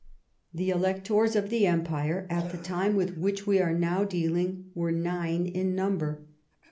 The electors of the empire at the time with which we are now dealing were nine in number.